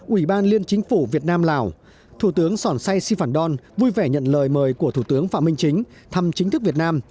ủy ban liên chính phủ việt nam lào thủ tướng sòn say si phảnon vui vẻ nhận lời mời của thủ tướng phạm minh chính thăm chính thức việt nam